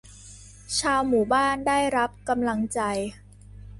ชาวหมู่บ้านได้รับกำลังใจ